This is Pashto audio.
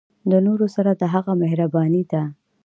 د نورو سره د هغه مهرباني ده.